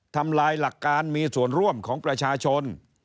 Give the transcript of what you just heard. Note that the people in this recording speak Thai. ทำลายหลักการมีส่วนร่วมของประชาชน